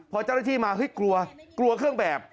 พอเจ้าหน้าที่มาเฮ้ยกลัวกลัวเครื่องแบบ